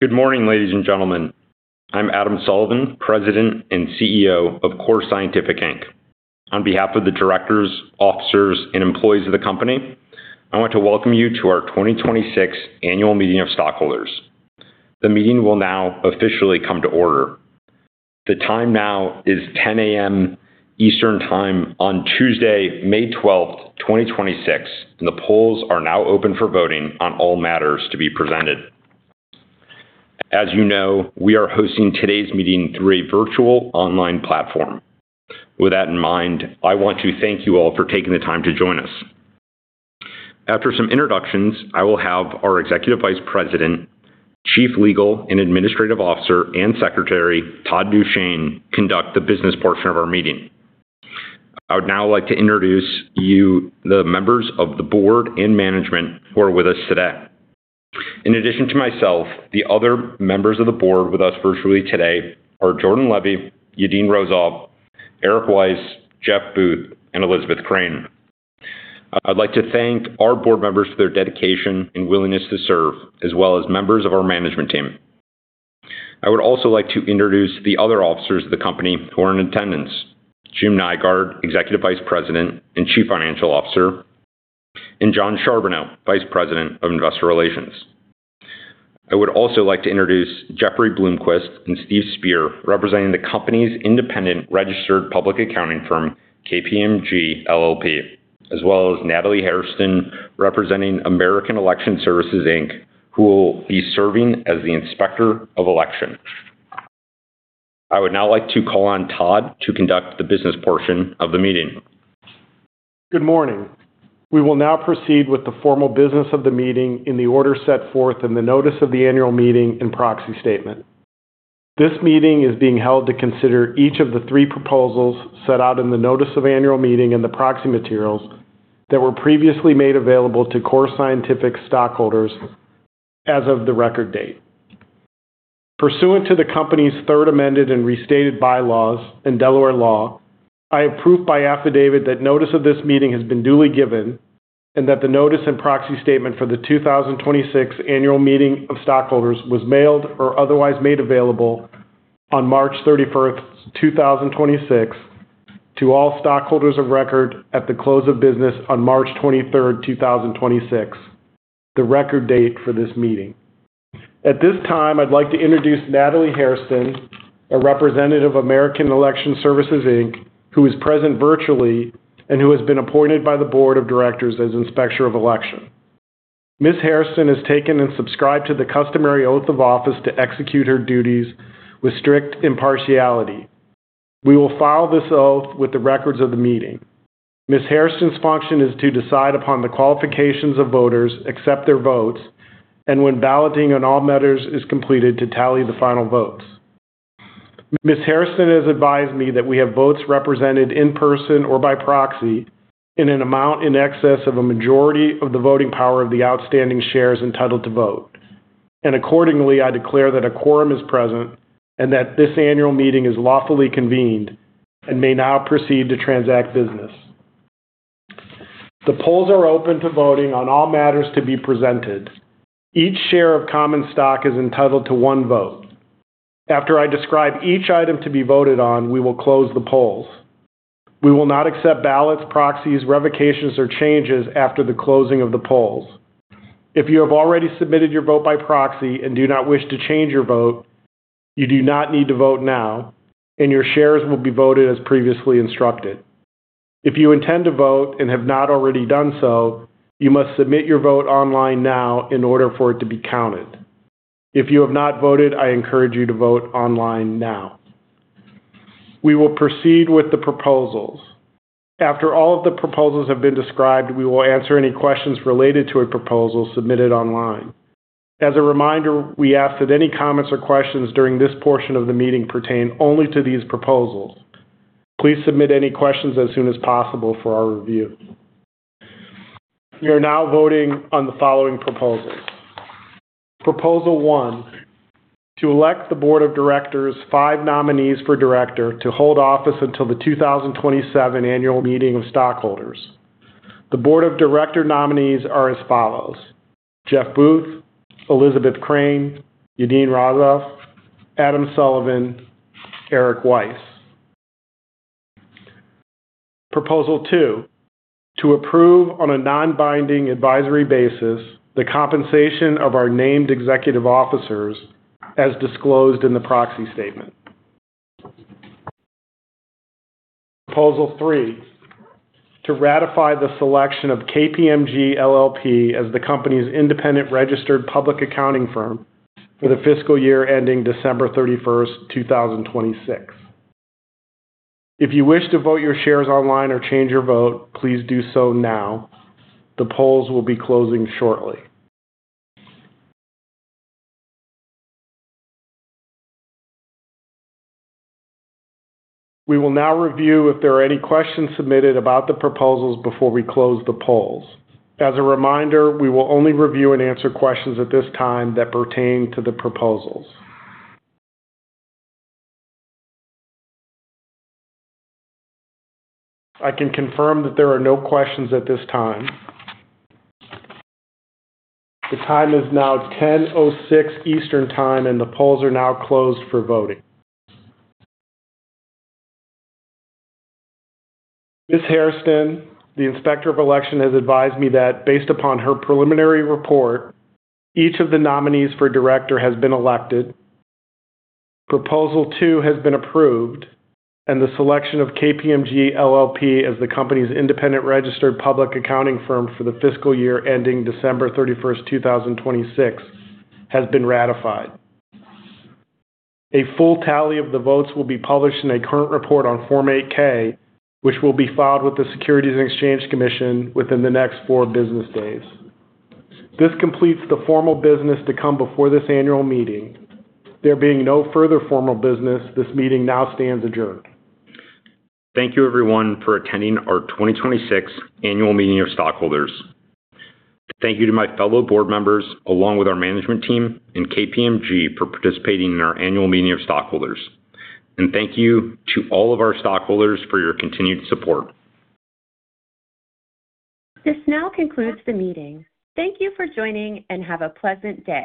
Good morning, ladies and gentlemen. I'm Adam Sullivan, President and CEO of Core Scientific, Inc. On behalf of the directors, officers, and employees of the company, I want to welcome you to our 2026 Annual Meeting of Stockholders. The meeting will now officially come to order. The time now is 10:00 A.M. Eastern Time on Tuesday, May 12th, 2026, and the polls are now open for voting on all matters to be presented. As you know, we are hosting today's meeting through a virtual online platform. With that in mind, I want to thank you all for taking the time to join us. After some introductions, I will have our Executive Vice President, Chief Legal and Administrative Officer, and Secretary, Todd DuChene, conduct the business portion of our meeting. I would now like to introduce you the members of the board and management who are with us today. In addition to myself, the other members of the board with us virtually today are Jordan Levy, Yadin Rozov, Eric Weiss, Jeff Booth, and Elizabeth Crain. I'd like to thank our board members for their dedication and willingness to serve, as well as members of our management team. I would also like to introduce the other officers of the company who are in attendance, Jim Nygaard, Executive Vice President and Chief Financial Officer, and Jon Charbonneau, Vice President of Investor Relations. I would also like to introduce Jeffrey Bloomquist and Steve Speer, representing the company's independent registered public accounting firm, KPMG LLP, as well as Natalie Hairston, representing American Election Services, LLC, who will be serving as the Inspector of Election. I would now like to call on Todd to conduct the business portion of the meeting. Good morning. We will now proceed with the formal business of the meeting in the order set forth in the notice of the annual meeting and proxy statement. This meeting is being held to consider each of the 3 proposals set out in the notice of annual meeting and the proxy materials that were previously made available to Core Scientific stockholders as of the record date. Pursuant to the Company's third amended and restated bylaws and Delaware law, I have proof by affidavit that notice of this meeting has been duly given and that the notice and proxy statement for the 2026 Annual Meeting of Stockholders was mailed or otherwise made available on March 31, 2026 to all stockholders of record at the close of business on March 23, 2026, the record date for this meeting. At this time, I'd like to introduce Natalie Hairston, a representative of American Election Services, LLC, who is present virtually and who has been appointed by the Board of Directors as Inspector of Election. Ms. Hairston has taken and subscribed to the customary oath of office to execute her duties with strict impartiality. We will file this oath with the records of the meeting. Ms. Hairston's function is to decide upon the qualifications of voters, accept their votes, and when balloting on all matters is completed, to tally the final votes. Ms. Hairston has advised me that we have votes represented in person or by proxy in an amount in excess of a majority of the voting power of the outstanding shares entitled to vote. Accordingly, I declare that a quorum is present and that this annual meeting is lawfully convened and may now proceed to transact business. The polls are open to voting on all matters to be presented. Each share of common stock is entitled to one vote. After I describe each item to be voted on, we will close the polls. We will not accept ballots, proxies, revocations, or changes after the closing of the polls. If you have already submitted your vote by proxy and do not wish to change your vote, you do not need to vote now, and your shares will be voted as previously instructed. If you intend to vote and have not already done so, you must submit your vote online now in order for it to be counted. If you have not voted, I encourage you to vote online now. We will proceed with the proposals. After all of the proposals have been described, we will answer any questions related to a proposal submitted online. As a reminder, we ask that any comments or questions during this portion of the meeting pertain only to these proposals. Please submit any questions as soon as possible for our review. We are now voting on the following proposals. Proposal one, to elect the board of directors, five nominees for director to hold office until the 2027 Annual Meeting of Stockholders. The board of director nominees are as follows: Jeff Booth, Elizabeth Crain, Yadin Rozov, Adam Sullivan, Eric Weiss. Proposal two, to approve on a non-binding advisory basis the compensation of our named executive officers as disclosed in the proxy statement. Proposal three, to ratify the selection of KPMG LLP as the company's independent registered public accounting firm for the fiscal year ending December 31st, 2026. If you wish to vote your shares online or change your vote, please do so now. The polls will be closing shortly. We will now review if there are any questions submitted about the proposals before we close the polls. As a reminder, we will only review and answer questions at this time that pertain to the proposals. I can confirm that there are no questions at this time. The time is now 10:06 A.M. Eastern Time, and the polls are now closed for voting. Ms. Hairston, the Inspector of Election, has advised me that based upon her preliminary report, each of the nominees for director has been elected. Proposal 2 has been approved, and the selection of KPMG LLP as the company's independent registered public accounting firm for the fiscal year ending December 31st, 2026, has been ratified. A full tally of the votes will be published in a current report on Form 8-K, which will be filed with the Securities and Exchange Commission within the next four business days. This completes the formal business to come before this annual meeting. There being no further formal business, this meeting now stands adjourned. Thank you everyone for attending our 2026 Annual Meeting of Stockholders. Thank you to my fellow board members, along with our management team and KPMG for participating in our Annual Meeting of Stockholders. Thank you to all of our stockholders for your continued support. This now concludes the meeting. Thank you for joining, and have a pleasant day.